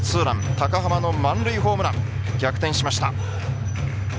高濱の満塁ホームラン逆転しました。